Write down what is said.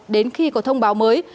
đến khi có thông báo mới